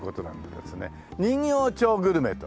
人形町グルメと。